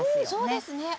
そうですね。